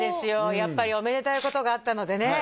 やっぱりおめでたいことがあったのでね